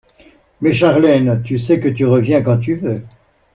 Mais Charlène, tu sais que tu reviens quand tu veux!